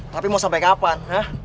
tapi mau sampai kapan